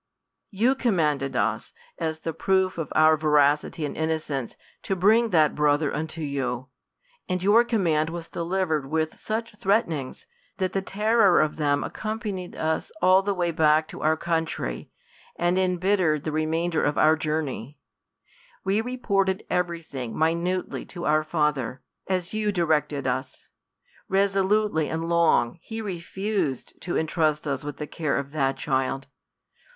You commanded us, as the proof of our veracity and innocence, to bring that brother unto you \ and your command w^s delivered with such threatenings, that the terror of them accompanied us all the way back to our country, and imbittered the remainder of our jour ney. We reported ^very thing minutely to our father, as you directed us. Resolutely and long, he refused to intrust us with the care of that child.